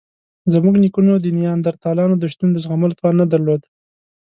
زموږ نیکونو د نیاندرتالانو د شتون د زغملو توان نه درلود.